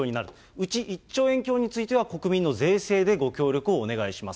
うち１兆円強については国民の税制でご協力をお願いします。